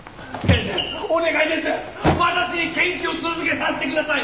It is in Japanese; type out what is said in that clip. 先生お願いです！